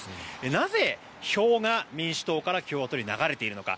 なぜ票が民主党から共和党に流れているのか。